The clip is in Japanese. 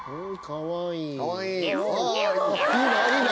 かわいい。